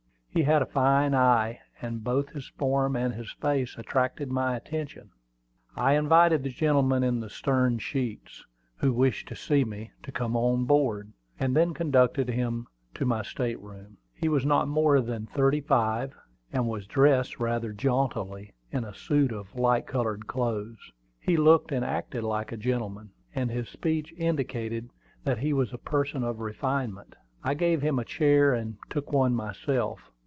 He had a fine eye, and both his form and his face attracted my attention. I invited the gentleman in the stern sheets, who wished to see me, to come on board, and then conducted him to my state room. He was not more than thirty five, and was dressed rather jauntily in a suit of light colored clothes. He looked and acted like a gentleman, and his speech indicated that he was a person of refinement. I gave him a chair, and took one myself.